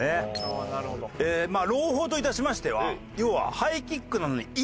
まあ朗報といたしましては要は。